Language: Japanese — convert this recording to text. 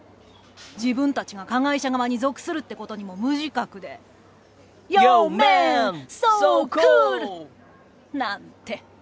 自分たちが加害者側に属するってことにも無自覚でなんて。